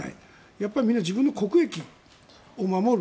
やっぱりみんな自分の国益を守る。